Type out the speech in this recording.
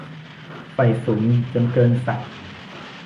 ใฝ่สูงจนเกินศักดิ์